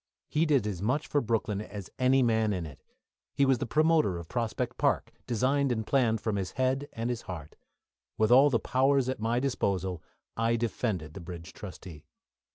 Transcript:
He did as much for Brooklyn as any man in it. He was the promoter of Prospect Park, designed and planned from his head and heart. With all the powers at my disposal I defended the bridge trustee.